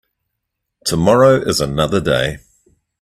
Tomorrow is another day.